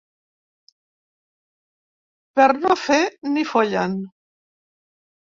Per no fer ni follen.